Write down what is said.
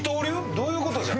どういう事じゃ？